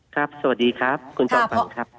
ครับสวัสดีครับคุณสมภัณฑ์ครับ